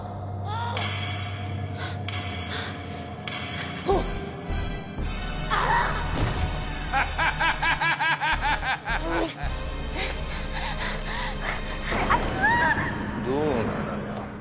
あっ！どうなのよ？